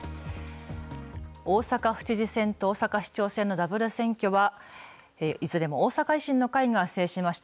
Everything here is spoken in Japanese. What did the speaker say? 大阪府知事選と大阪市長選のダブル選挙は、いずれも大阪維新の会が制しました。